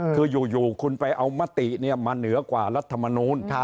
คืออยู่คุณไปเอามติมาเหนือกว่ารัฐมนูล